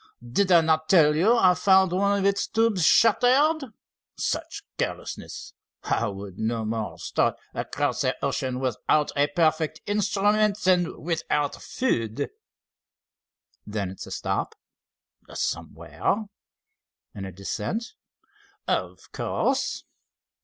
"Did I not tell you I found one of its tubes shattered? Such carelessness! I would no more start across the ocean without a perfect instrument than without food." "Then it's a stop?" "Somewhere." "And a descent?" "Of course."